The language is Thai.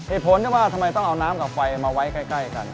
ผลที่ว่าทำไมต้องเอาน้ำกับไฟมาไว้ใกล้กัน